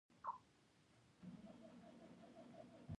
پسرلی د ګلانو موسم دی